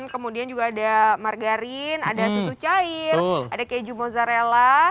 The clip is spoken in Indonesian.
kemudian juga ada margarin ada susu cair ada keju mozzarella